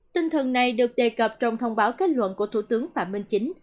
tinh thần này được đề cập trong thông báo kết luận của thủ tướng phạm minh chính